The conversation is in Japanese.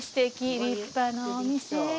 立派なお店。